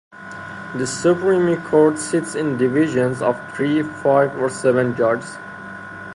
The Supreme Court sits in divisions of three, five or seven judges.